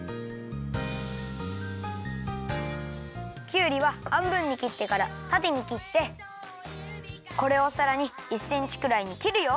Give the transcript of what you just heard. きゅうりははんぶんにきってからたてにきってこれをさらに１センチくらいにきるよ。